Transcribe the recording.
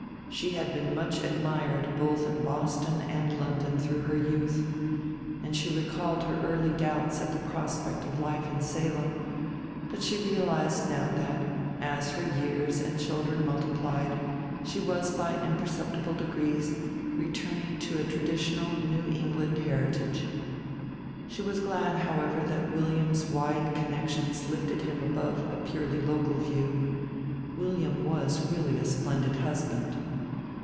She had been much admired both in Boston and London through her youth, and she recalled her early doubts at the prospect of life in Salem; but she realized now that, as her years and children multiplied, she was by imperceptible degrees returning to a traditional New England heritage. She was glad, however, that William's wide connections lifted him above a purely local view; William was really a splendid husband.